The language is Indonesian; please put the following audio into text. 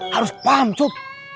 harus paham cup